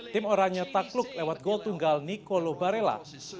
tim orangnya takluk lewat gol tunggal nicolo varela